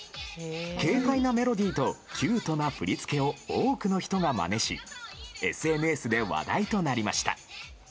軽快なメロディーとキュートな振り付けを多くの人がまねしＳＮＳで話題となりました。